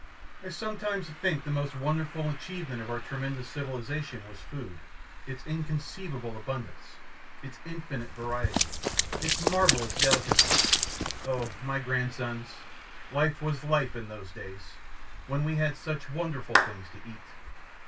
I sometimes think the most wonderful achievement of our tremendous civilization was food its inconceivable abundance, its infinite variety, its marvellous delicacy. O my grandsons, life was life in those days, when we had such wonderful things to eat."